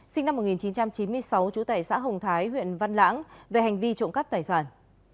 sinh năm một nghìn chín trăm chín mươi sáu chủ tệ xã hồng thái huyện văn lãng về hành vi trộm cắp tài sản